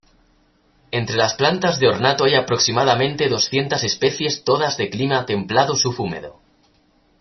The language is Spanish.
Entre las plantas de ornato hay aproximadamente doscientas especies todas de clima templado subhúmedo.